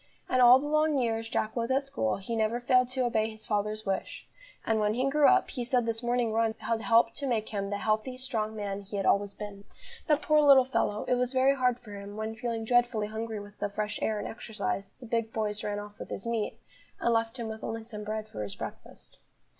And all the long years Jack was at school he never failed to obey his father's wish; and, when he grew up, he said this morning run had helped to make him the healthy, strong man he had always been. But, poor little fellow, it was very hard for him, when, feeling dreadfully hungry with the fresh air and exercise, the big boys ran off with his meat, and left him with only some bread for his breakfast.